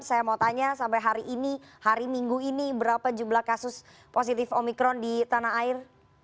saya mau tanya sampai hari ini hari minggu ini berapa jumlah kasus positif omikron di tanah air